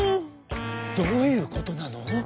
「どういうことなの？